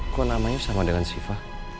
kok namanya sama dengan siva